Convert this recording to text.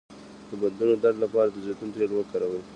د بندونو درد لپاره د زیتون تېل وکاروئ